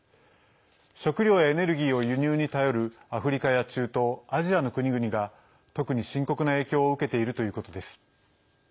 食料やエネルギーを輸入に頼るアフリカや中東、アジアの国々が特に深刻な影響を受けているということです。